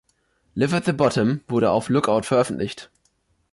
Live at the Bottom... wurde auf Lookout veröffentlicht!